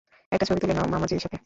একটা ছবি তুলে নাও মামাজির সাথে।